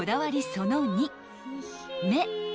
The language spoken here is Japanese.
その２目］